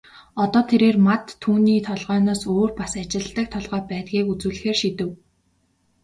Одоо тэрээр Мад түүний толгойноос өөр бас ажилладаг толгой байдгийг үзүүлэхээр шийдэв.